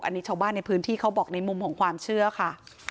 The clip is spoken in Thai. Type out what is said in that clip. อันนี้ชาวบ้านในพื้นที่เขาบอกในมุมของความเชื่อค่ะ